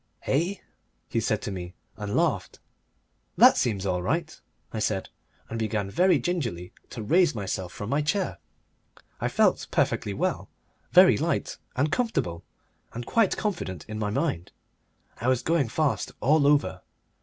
"Eh?" he said to me, and laughed. "That seems all right," I said, and began very gingerly to raise myself from my chair. I felt perfectly well, very light and comfortable, and quite confident in my mind. I was going fast all over.